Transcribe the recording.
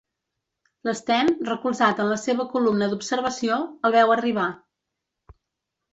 L'Sten, recolzat en la seva columna d'observació, el veu arribar.